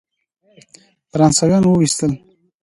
فرانسویان وایستل.